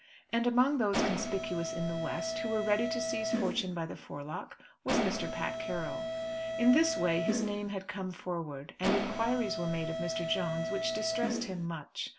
And among those conspicuous in the West, who were ready to seize fortune by the forelock, was Mr. Pat Carroll. In this way his name had come forward, and inquiries were made of Mr. Jones which distressed him much.